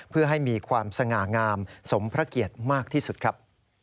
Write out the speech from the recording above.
เพื่อให้มีความสง่างามสมพระเกียรติมากที่สุดครับ